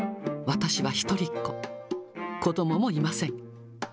私は一人っ子、子どももいません。